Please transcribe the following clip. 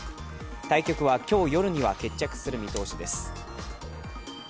対局は今日夜には決着する見通しです。